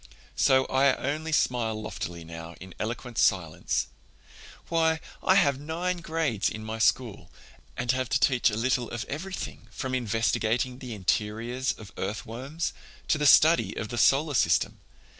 So I only smile loftily now in eloquent silence. Why, I have nine grades in my school and I have to teach a little of everything, from investigating the interiors of earthworms to the study of the solar system.